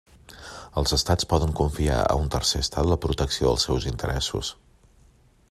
Els estats poden confiar a un tercer estat la protecció dels seus interessos.